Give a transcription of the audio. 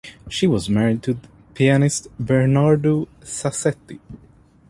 She was married to pianist Bernardo Sassetti.